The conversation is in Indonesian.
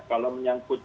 kalau menyangkut cerita